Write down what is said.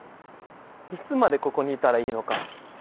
いつまでここにいたらいいのか。